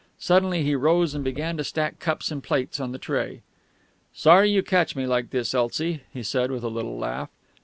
Suddenly he rose and began to stack cups and plates on the tray. "Sorry you catch me like this, Elsie," he said, with a little laugh....